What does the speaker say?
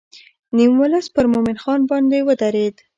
نیم ولس پر مومن خان باندې ودرېد.